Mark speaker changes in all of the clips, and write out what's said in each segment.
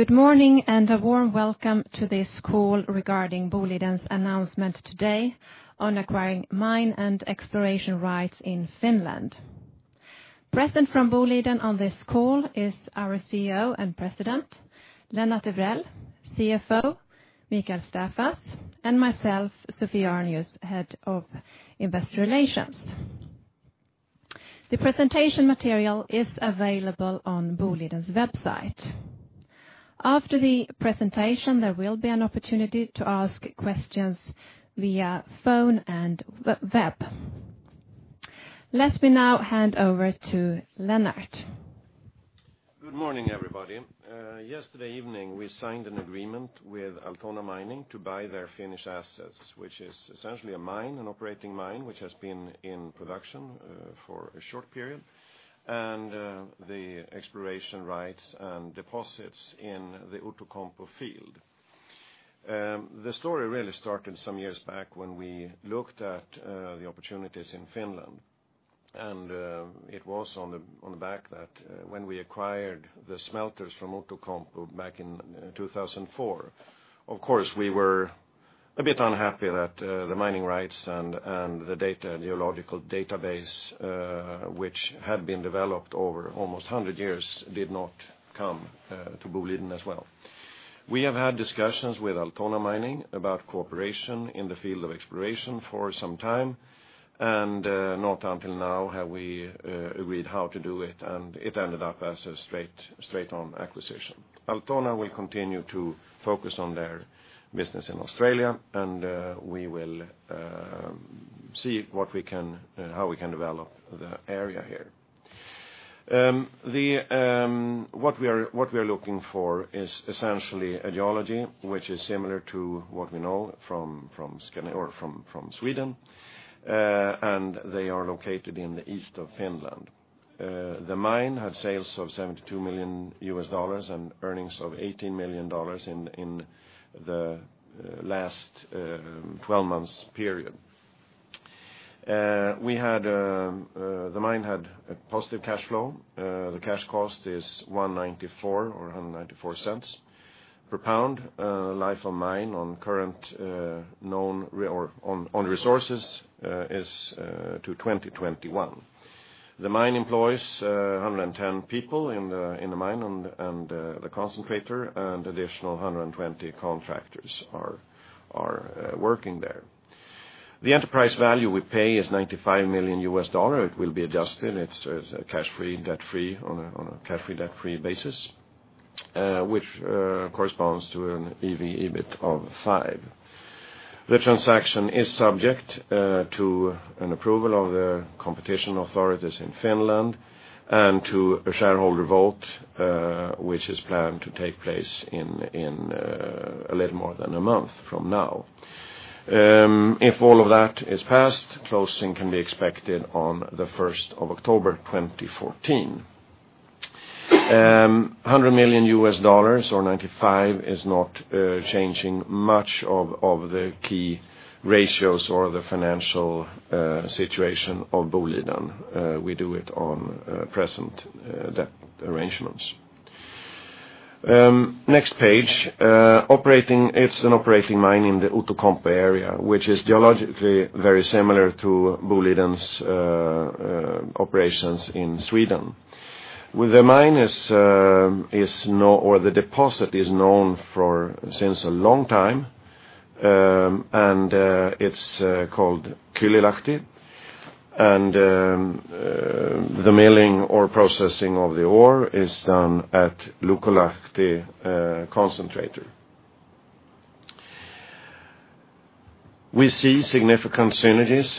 Speaker 1: Good morning. A warm welcome to this call regarding Boliden's announcement today on acquiring mine and exploration rights in Finland. Present from Boliden on this call is our CEO and President, Lennart Evrell, CFO, Mikael Staffas, and myself, Sophie Arnius, Head of Investor Relations. The presentation material is available on Boliden's website. After the presentation, there will be an opportunity to ask questions via phone and web. Let me now hand over to Lennart.
Speaker 2: Good morning, everybody. Yesterday evening, we signed an agreement with Altona Mining to buy their Finnish assets, which is essentially a mine, an operating mine, which has been in production for a short period, and the exploration rights and deposits in the Outokumpu field. The story really started some years back when we looked at the opportunities in Finland. It was on the back that when we acquired the smelters from Outokumpu back in 2004. Of course, we were a bit unhappy that the mining rights and the geological database, which had been developed over almost 100 years, did not come to Boliden as well. We have had discussions with Altona Mining about cooperation in the field of exploration for some time. Not until now have we agreed how to do it. It ended up as a straight-on acquisition. Altona will continue to focus on their business in Australia. We will see how we can develop the area here. What we are looking for is essentially a geology, which is similar to what we know from Sweden. They are located in the east of Finland. The mine had sales of SEK 72 million and earnings of SEK 18 million in the last 12-month period. The mine had a positive cash flow. The cash cost is 1.94 per pound. Life of mine on resources is to 2021. The mine employs 110 people in the mine and the concentrator, and additional 120 contractors are working there. The enterprise value we pay is $95 million USD. It will be adjusted. It's on a cash-free, debt-free basis, which corresponds to an EV/EBIT of five. The transaction is subject to an approval of the competition authorities in Finland and to a shareholder vote, which is planned to take place in a little more than a month from now. If all of that is passed, closing can be expected on the 1st of October 2014. $100 million USD, or 95, is not changing much of the key ratios or the financial situation of Boliden. We do it on present debt arrangements. Next page. It's an operating mine in the Outokumpu area, which is geologically very similar to Boliden's operations in Sweden. The deposit is known since a long time. It's called Kylylahti, and the milling or processing of the ore is done at Luikonlahti concentrator. We see significant synergies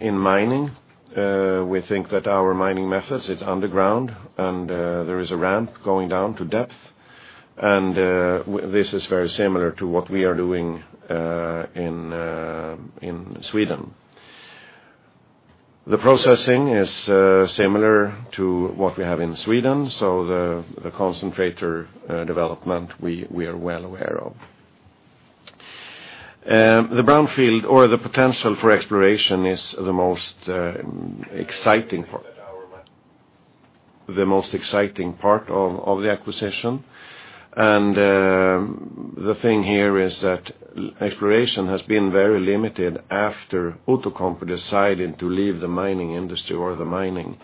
Speaker 2: in mining. We think that our mining methods, it's underground, and there is a ramp going down to depth. This is very similar to what we are doing in Sweden. The processing is similar to what we have in Sweden, so the concentrator development, we are well aware of. The brownfield or the potential for exploration is the most exciting part of the acquisition. The thing here is that exploration has been very limited after Outokumpu decided to leave the mining industry or the mining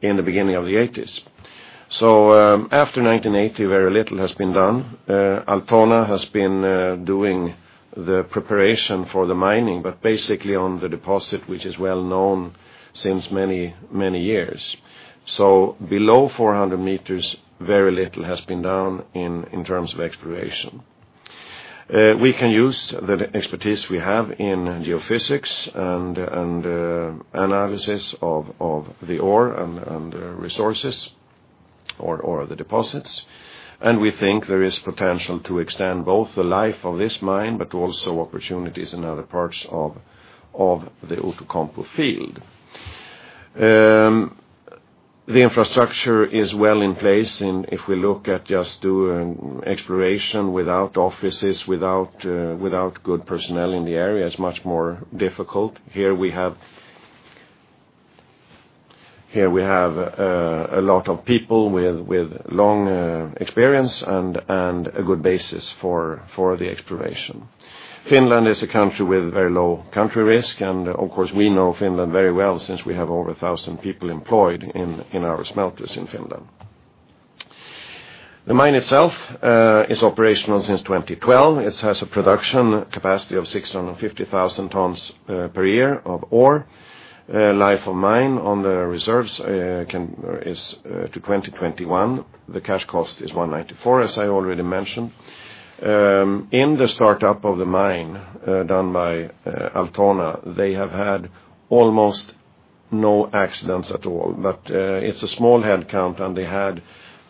Speaker 2: in the beginning of the 1980s. After 1980, very little has been done. Altona has been doing the preparation for the mining, but basically on the deposit, which is well known since many, many years. Below 400 meters, very little has been done in terms of exploration. We can use the expertise we have in geophysics and analysis of the ore and resources or the deposits, and we think there is potential to extend both the life of this mine, but also opportunities in other parts of the Outokumpu field. The infrastructure is well in place. If we look at just doing exploration without offices, without good personnel in the area, it's much more difficult. Here we have a lot of people with long experience and a good basis for the exploration. Finland is a country with very low country risk. Of course, we know Finland very well since we have over 1,000 people employed in our smelters in Finland. The mine itself is operational since 2012. It has a production capacity of 650,000 tons per year of ore. Life of mine on the reserves is to 2021. The cash cost is 194, as I already mentioned. In the startup of the mine done by Altona, they have had almost no accidents at all. It's a small headcount, and they had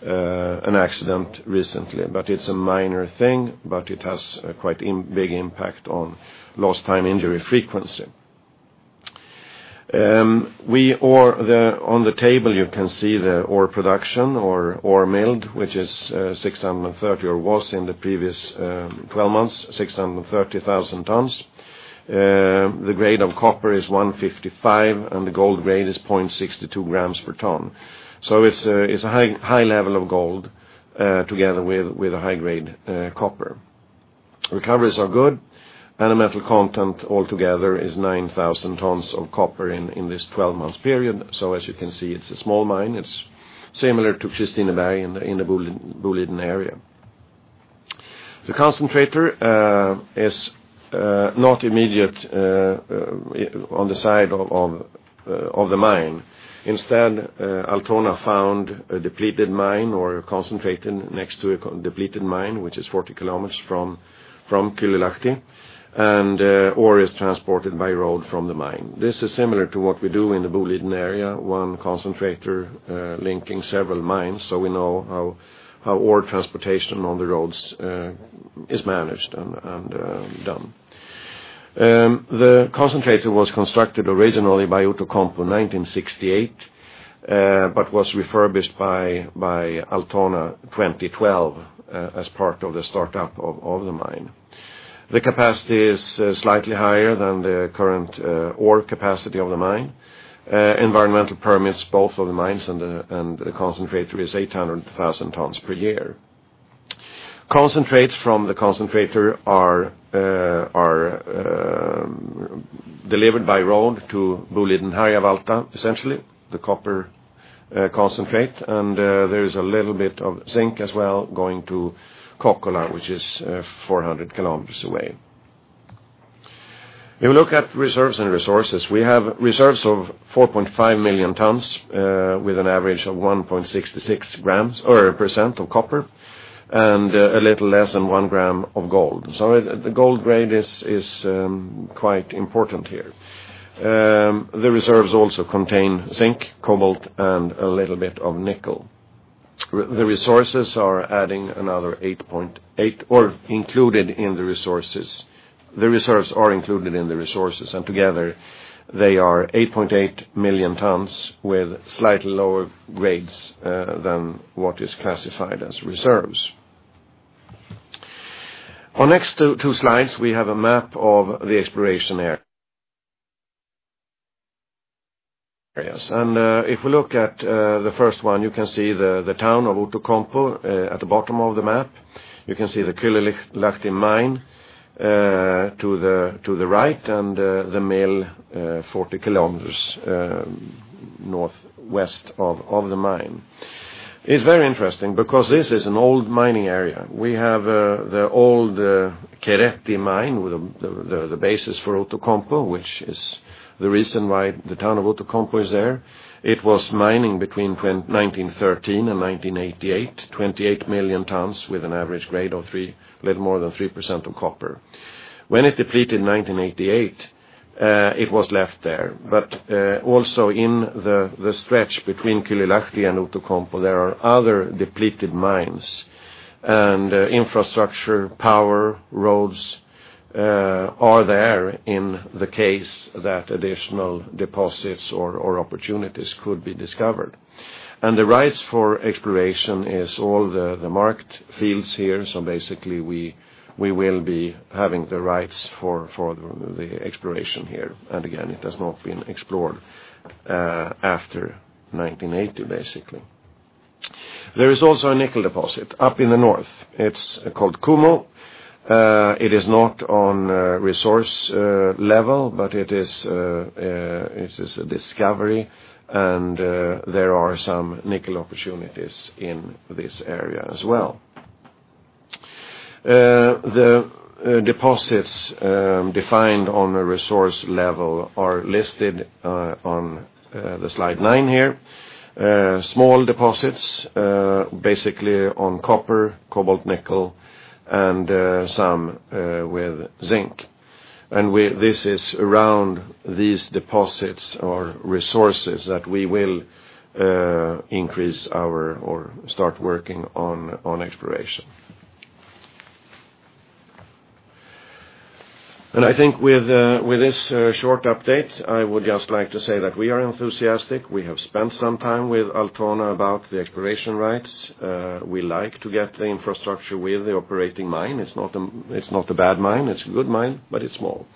Speaker 2: an accident recently. It's a minor thing, but it has quite a big impact on lost time injury frequency. On the table you can see the ore production, ore milled, which is 630, or was in the previous 12 months, 630,000 tons. The grade of copper is 155 and the gold grade is 0.62 grams per ton. It's a high level of gold together with a high grade copper. Recoveries are good. The metal content altogether is 9,000 tons of copper in this 12 months period. As you can see, it's a small mine. It's similar to Kristineberg in the Boliden area. The concentrator is not immediate on the side of the mine. Instead, Altona found a depleted mine or a concentrator next to a depleted mine, which is 40 kilometers from Kylylahti. Ore is transported by road from the mine. This is similar to what we do in the Boliden area, one concentrator linking several mines. We know how ore transportation on the roads is managed and done. The concentrator was constructed originally by Outokumpu in 1968, but was refurbished by Altona in 2012 as part of the startup of the mine. The capacity is slightly higher than the current ore capacity of the mine. Environmental permits both of the mines and the concentrator is 800,000 tons per year. Concentrates from the concentrator are delivered by road to Boliden Harjavalta, essentially, the copper concentrate, and there is a little bit of zinc as well going to Kokkola, which is 400 km away. If you look at reserves and resources, we have reserves of 4.5 million tons, with an average of 1.66 grams or percent of copper, and a little less than one gram of gold. The gold grade is quite important here. The reserves also contain zinc, cobalt, and a little bit of nickel. The reserves are included in the resources, and together they are 8.8 million tons with slightly lower grades than what is classified as reserves. On the next two slides, we have a map of the exploration areas. If we look at the first one, you can see the town of Outokumpu at the bottom of the map. You can see the Kylylahti mine to the right and the mill 40 km northwest of the mine. It's very interesting because this is an old mining area. We have the old Keretti mine with the basis for Outokumpu, which is the reason why the town of Outokumpu is there. It was mining between 1913 and 1988, 28 million tons with an average grade of a little more than 3% of copper. When it depleted in 1988, it was left there. Also in the stretch between Kylylahti and Outokumpu, there are other depleted mines. Infrastructure, power, roads are there in the case that additional deposits or opportunities could be discovered. The rights for exploration is all the marked fields here, so basically, we will be having the rights for the exploration here. Again, it has not been explored after 1980, basically. There is also a nickel deposit up in the north. It's called Kuhmo. It is not on resource level, but it is a discovery, and there are some nickel opportunities in this area as well. The deposits defined on a resource level are listed on slide nine here. Small deposits, basically on copper, cobalt, nickel, and some with zinc. This is around these deposits or resources that we will increase our or start working on exploration. I think with this short update, I would just like to say that we are enthusiastic. We have spent some time with Altona about the exploration rights. We like to get the infrastructure with the operating mine. It's not a bad mine. It's a good mine, but it's small.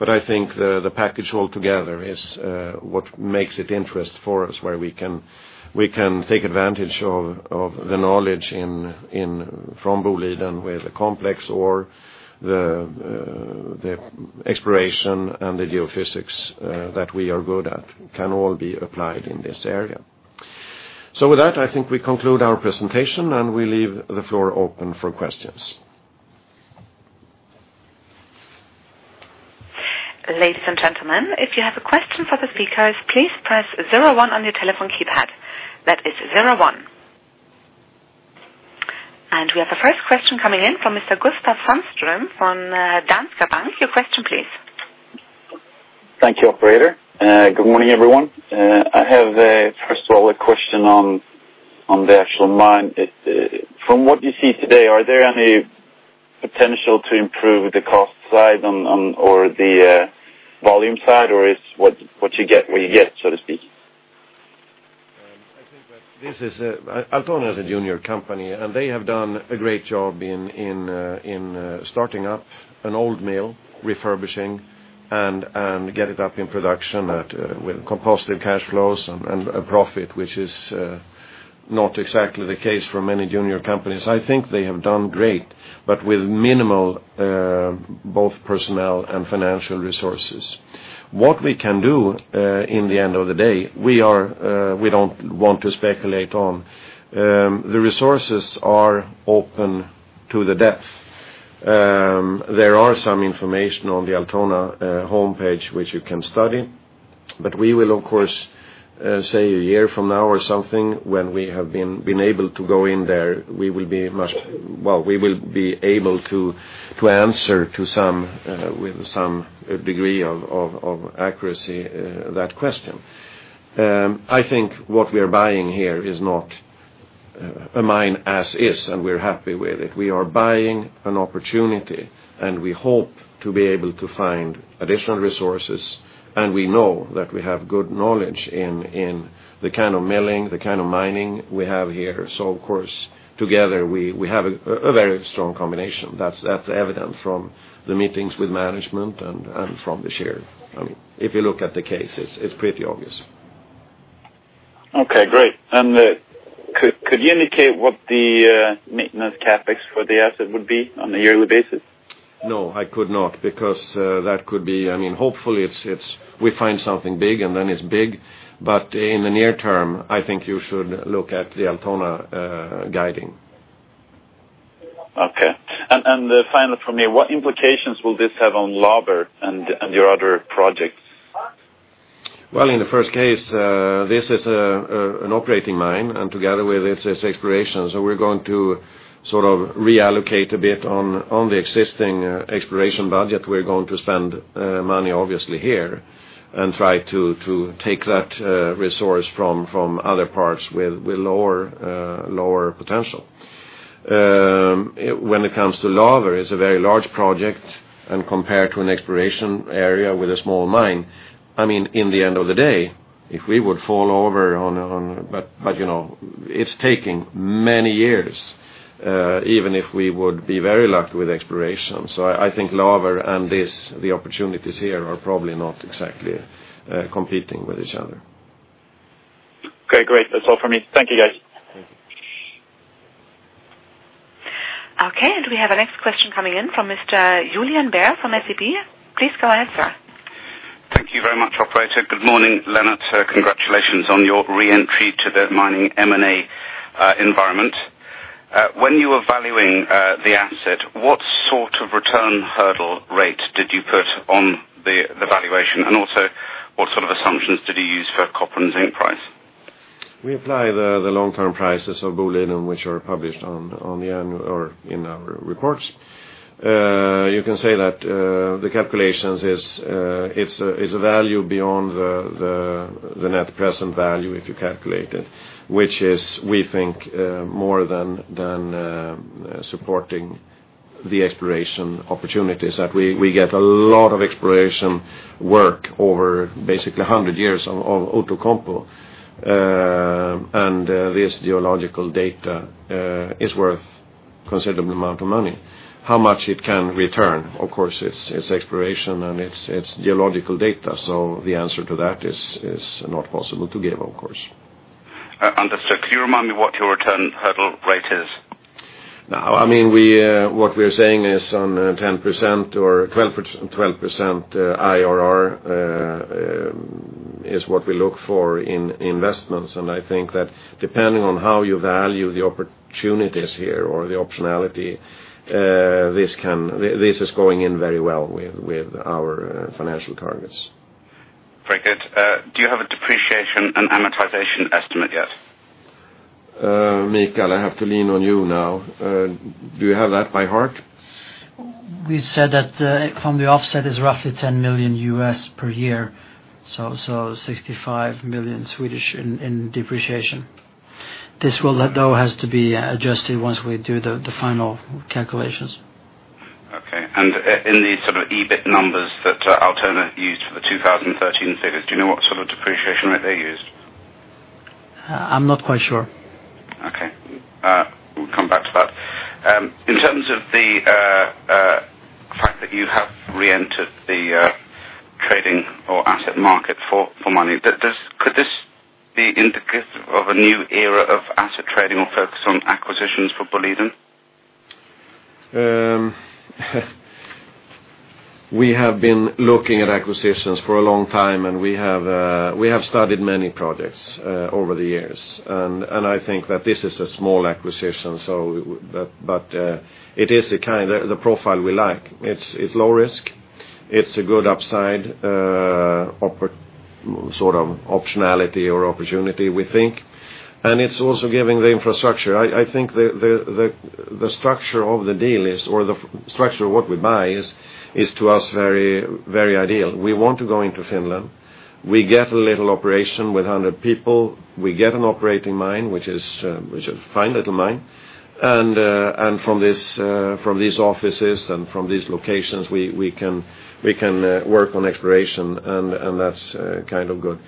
Speaker 2: I think the package all together is what makes it interesting for us, where we can take advantage of the knowledge from Boliden with a complex or the exploration and the geophysics that we are good at, can all be applied in this area. With that, I think we conclude our presentation, and we leave the floor open for questions.
Speaker 3: Ladies and gentlemen, if you have a question for the speakers, please press 01 on your telephone keypad. That is 01. We have the first question coming in from Mr. Gustav Sandström from Danske Bank. Your question, please.
Speaker 4: Thank you, operator. Good morning, everyone. I have, first of all, a question on the actual mine. From what you see today, are there any potential to improve the cost side or the volume side, or it's what you get, where you get, so to speak?
Speaker 2: I think that Altona is a junior company, and they have done a great job in starting up an old mill, refurbishing, and get it up in production with compelling cash flows and profit, which is not exactly the case for many junior companies. I think they have done great. With minimal both personnel and financial resources. What we can do in the end of the day, we don't want to speculate on. The resources are open to the depth. There are some information on the Altona homepage which you can study. We will, of course, say a year from now or something, when we have been able to go in there, we will be able to answer with some degree of accuracy that question. I think what we are buying here is not a mine as is. We're happy with it. We are buying an opportunity, and we hope to be able to find additional resources, and we know that we have good knowledge in the kind of milling, the kind of mining we have here. Of course, together we have a very strong combination. That's evident from the meetings with management and from the share. If you look at the case, it's pretty obvious.
Speaker 4: Okay, great. Could you indicate what the maintenance CapEx for the asset would be on a yearly basis?
Speaker 2: No, I could not, because hopefully, we find something big, it's big. In the near term, I think you should look at the Altona guiding.
Speaker 4: Okay. Final from me, what implications will this have on Laver and your other projects?
Speaker 2: Well, in the first case, this is an operating mine, together with it is exploration. We're going to sort of reallocate a bit on the existing exploration budget. We're going to spend money, obviously, here try to take that resource from other parts with lower potential. When it comes to Laver, it's a very large project, compared to an exploration area with a small mine. In the end of the day, it's taking many years, even if we would be very lucky with exploration. I think Laver and the opportunities here are probably not exactly competing with each other.
Speaker 4: Okay, great. That's all from me. Thank you, guys.
Speaker 3: Okay, we have our next question coming in from Mr. Julian Beer from SEB. Please go ahead, sir.
Speaker 5: Thank you very much, operator. Good morning, Lennart. Sir, congratulations on your re-entry to the mining M&A environment. When you were valuing the asset, what sort of return hurdle rate did you put on the valuation? Also, what sort of assumptions did you use for copper and zinc price?
Speaker 2: We apply the long-term prices of Boliden, which are published in our reports. You can say that the calculations is a value beyond the net present value if you calculate it, which is, we think, more than supporting the exploration opportunities, that we get a lot of exploration work over basically 100 years of Outokumpu. This geological data is worth considerable amount of money. How much it can return, of course, it's exploration and it's geological data. The answer to that is not possible to give, of course.
Speaker 5: Understood. Could you remind me what your return hurdle rate is?
Speaker 2: Now, what we're saying is on 10% or 12% IRR is what we look for in investments, I think that depending on how you value the opportunities here or the optionality, this is going in very well with our financial targets.
Speaker 5: Very good. Do you have a depreciation and amortization estimate yet?
Speaker 2: Mikael, I have to lean on you now. Do you have that by heart?
Speaker 6: We said that from the offset is roughly 10 million per year, so 65 million in depreciation. This will, though, have to be adjusted once we do the final calculations.
Speaker 5: Okay. In these sort of EBIT numbers that Altona used for the 2013 figures, do you know what sort of depreciation rate they used?
Speaker 6: I'm not quite sure.
Speaker 5: Okay. We'll come back to that. In terms of the fact that you have reentered the trading or asset market for mining, could this be indicative of a new era of asset trading or focus on acquisitions for Boliden?
Speaker 2: We have been looking at acquisitions for a long time, we have studied many projects over the years. I think that this is a small acquisition, but it is the profile we like. It's low risk. It's a good upside sort of optionality or opportunity, we think. It's also giving the infrastructure. I think the structure of the deal or the structure of what we buy is to us very ideal. We want to go into Finland. We get a little operation with 100 people. We get an operating mine, which is a fine little mine. From these offices and from these locations, we can work on exploration, and that's kind of good.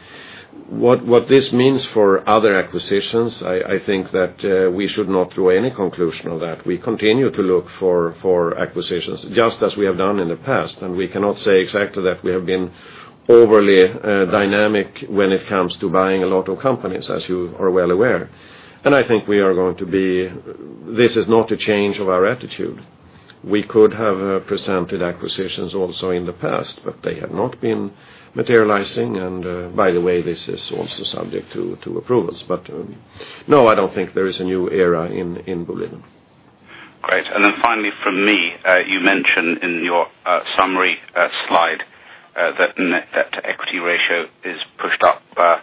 Speaker 2: What this means for other acquisitions, I think that we should not draw any conclusion of that. We continue to look for acquisitions just as we have done in the past, and we cannot say exactly that we have been overly dynamic when it comes to buying a lot of companies, as you are well aware. I think this is not a change of our attitude. We could have presented acquisitions also in the past, but they have not been materializing, and by the way, this is also subject to approvals. No, I don't think there is a new era in Boliden.
Speaker 5: Great. Finally from me, you mentioned in your summary slide that net debt to equity ratio is pushed up by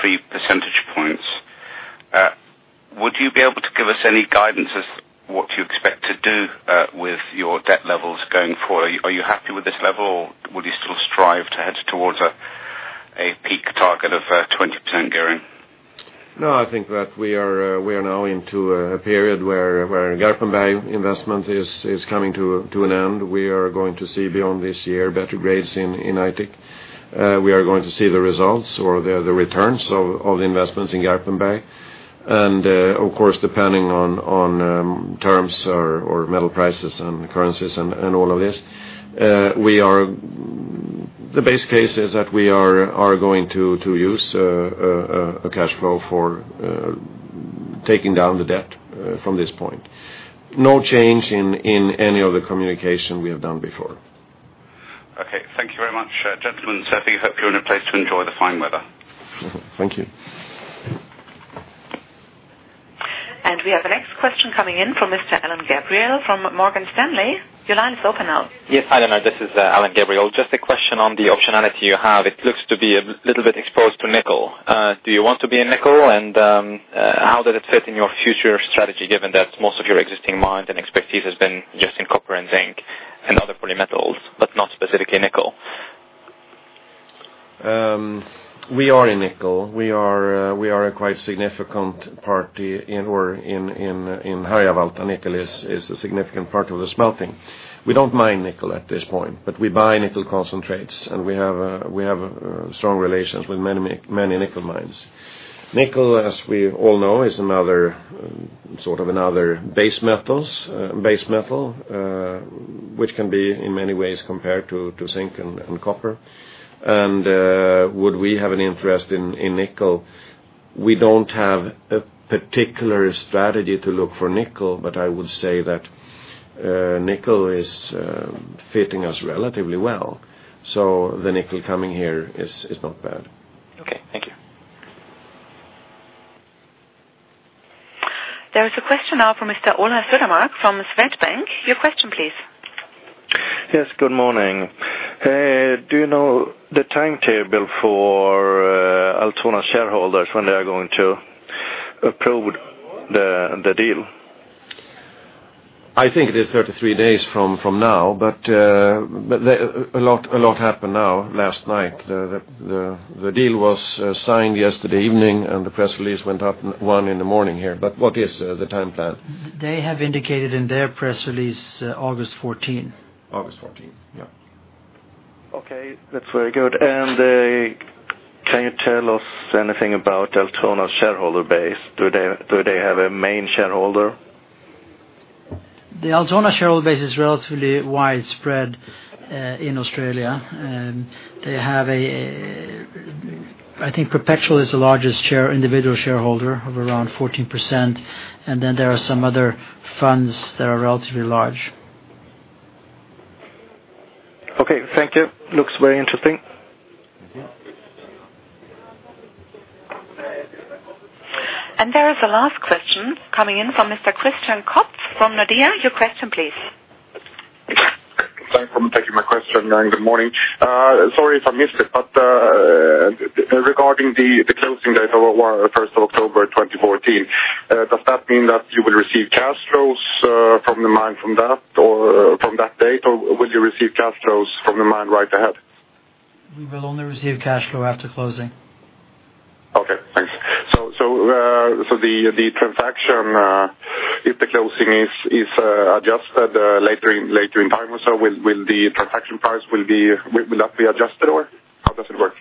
Speaker 5: three percentage points. Would you be able to give us any guidance as what you expect to do with your debt levels going forward? Are you happy with this level, or would you still strive to head towards a peak target of 20% gearing?
Speaker 2: No, I think that we are now into a period where Garpenberg investment is coming to an end. We are going to see beyond this year better grades in Aitik. We are going to see the results or the returns of the investments in Garpenberg. Of course, depending on terms or metal prices and currencies and all of this, the base case is that we are going to use cash flow for taking down the debt from this point. No change in any of the communication we have done before.
Speaker 5: Okay. Thank you very much, gentlemen. Seppo, hope you're in a place to enjoy the fine weather.
Speaker 2: Thank you.
Speaker 3: We have the next question coming in from Mr. Alain Gabriel from Morgan Stanley. Your line is open now.
Speaker 7: Yes, this is Alain Gabriel. Just a question on the optionality you have. It looks to be a little bit exposed to nickel. Do you want to be in nickel, and how does it fit in your future strategy, given that most of your existing mines and expertise has been just in copper and zinc and other poly metals, but not specifically nickel?
Speaker 2: We are in nickel. We are a quite significant party in Harjavalta. Nickel is a significant part of the smelting. We don't mine nickel at this point, but we buy nickel concentrates, and we have strong relations with many nickel mines. Nickel, as we all know, is another sort of base metal, which can be in many ways compared to zinc and copper. Would we have an interest in nickel? We don't have a particular strategy to look for nickel, but I would say that nickel is fitting us relatively well. The nickel coming here is not bad.
Speaker 7: Okay. Thank you.
Speaker 3: There is a question now from Mr. Ola Södermark from Swedbank. Your question, please.
Speaker 8: Yes, good morning. Do you know the timetable for Altona shareholders when they are going to approve the deal?
Speaker 2: I think it is 33 days from now, but a lot happened now last night. The deal was signed yesterday evening, and the press release went up 1:00 A.M. in the morning here. What is the time plan?
Speaker 6: They have indicated in their press release August 14th.
Speaker 2: August 14th. Yeah.
Speaker 8: Okay. That's very good. Can you tell us anything about Altona's shareholder base? Do they have a main shareholder?
Speaker 6: The Altona shareholder base is relatively widespread in Australia. I think Perpetual is the largest individual shareholder of around 14%, and then there are some other funds that are relatively large.
Speaker 8: Okay. Thank you. Looks very interesting.
Speaker 3: There is a last question coming in from Mr. Christian Kopfer from Nordea. Your question, please.
Speaker 9: Thanks for taking my question, and good morning. Sorry if I missed it, but regarding the closing date of 1st of October 2014, does that mean that you will receive cash flows from the mine from that date, or will you receive cash flows from the mine right ahead?
Speaker 6: We will only receive cash flow after closing.
Speaker 9: Okay, thanks. The transaction, if the closing is adjusted later in time or so, will the transaction price not be adjusted, or how does it work?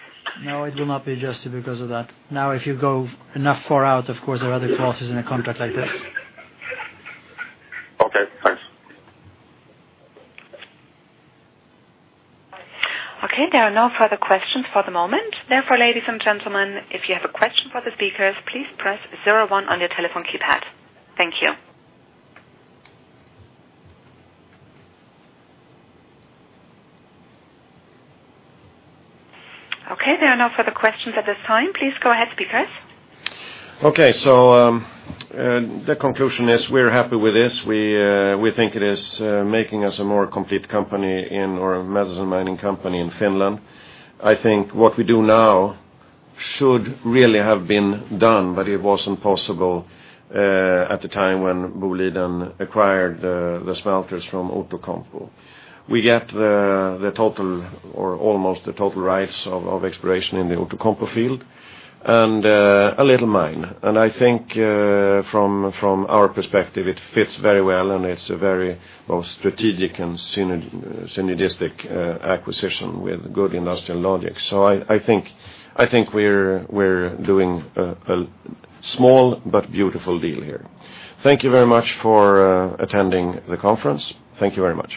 Speaker 6: No, it will not be adjusted because of that. If you go enough far out, of course, there are other clauses in a contract like this.
Speaker 9: Okay, thanks.
Speaker 3: Okay. There are no further questions for the moment. Ladies and gentlemen, if you have a question for the speakers, please press 01 on your telephone keypad. Thank you. Okay. There are no further questions at this time. Please go ahead, speakers.
Speaker 2: Okay. The conclusion is we're happy with this. We think it is making us a more complete company or a metals and mining company in Finland. I think what we do now should really have been done, but it wasn't possible at the time when Boliden acquired the smelters from Outokumpu. We get the total or almost the total rights of exploration in the Outokumpu field and a little mine. I think from our perspective, it fits very well, and it's a very both strategic and synergistic acquisition with good industrial logic. I think we're doing a small but beautiful deal here. Thank you very much for attending the conference. Thank you very much.